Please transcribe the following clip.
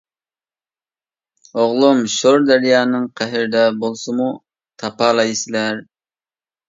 ئوغلۇم شور دەريانىڭ قەھرىدە بولسىمۇ تاپالايسىلەر.